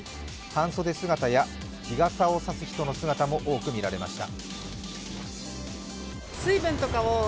半袖姿や日傘を差す人の姿も多く見られました。